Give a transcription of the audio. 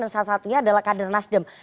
dan salah satunya adalah kader nasdem